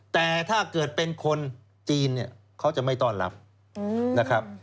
แต่ถ้าเกิดเป็นคนจีนเนี่ยเขาจะไม่ต้อนรับนะครับ